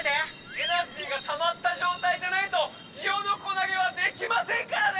エナジーがたまったじょうたいじゃないとジオノコなげはできませんからね！